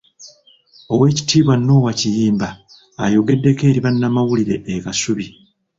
Oweekitiibwa Noah Kiyimba ayogeddeko eri bannamawulire e Kasubi.